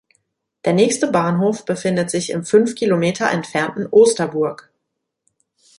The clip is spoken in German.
Der nächste Bahnhof befindet sich im fünf Kilometer entfernten Osterburg.